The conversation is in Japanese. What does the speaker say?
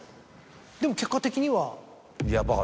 でも結果的には。